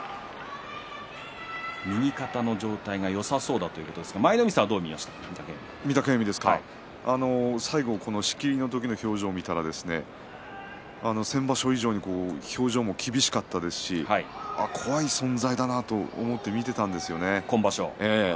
右肩の状態、よさそうだということですが最後仕切りの時の表情を見たら先場所以上に表情は厳しいですし怖い存在だなと思って見ていたんですよね。